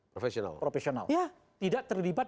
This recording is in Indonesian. profesional tidak terlibat